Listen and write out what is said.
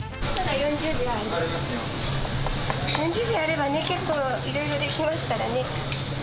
４０秒あればね、結構いろいろできますからね。